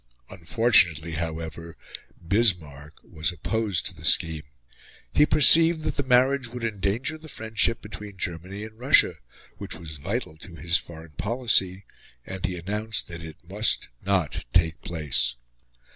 Unfortunately, however, Bismarck was opposed to the scheme. He perceived that the marriage would endanger the friendship between Germany and Russia, which was vital to his foreign policy, and he announced that it must not take place.